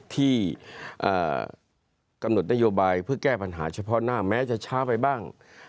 ที่กำหนดนโยบายเพื่อแก้ปัญหาเฉพาะหน้าแม้จะช้าไปบ้าง